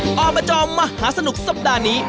อ้อมประจอมมหาสนุกสัปดาห์นี้